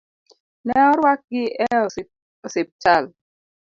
Ne orwakgi e osiptal.